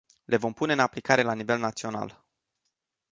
Le vom pune în aplicare la nivel național.